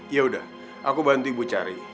yaudah aku bantu ibu cari